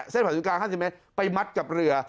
เส้นผ่าศูนย์กลาง๕เซนมิเมตรไปมัดกับเรือ